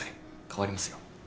代わりますよ。